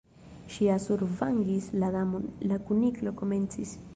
"Ŝi ja survangis la Damon" la Kuniklo komencis.